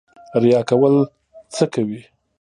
ریا کول څه کوي؟